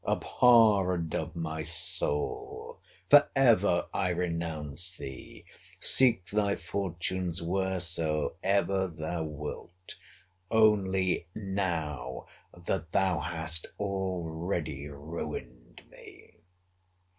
—Abhorred of my soul! for ever I renounce thee!—Seek thy fortunes wheresoever thou wilt!—only now, that thou hast already ruined me!